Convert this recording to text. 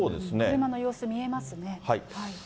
車の様子見えますかね。